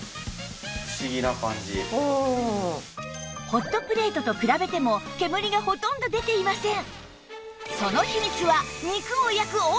ホットプレートと比べても煙がほとんど出ていません